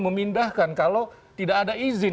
memindahkan kalau tidak ada izin